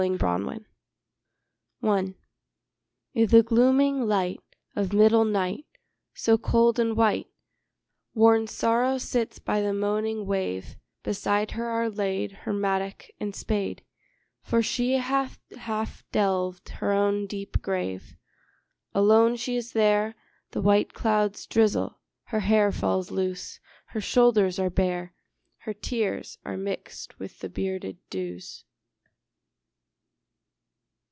IV =Song= I I' the glooming light Of middle night, So cold and white, Worn Sorrow sits by the moaning wave; Beside her are laid, Her mattock and spade, For she hath half delved her own deep grave. Alone she is there: The white clouds drizzle: her hair falls loose; Her shoulders are bare; Her tears are mixed with the bearded dews.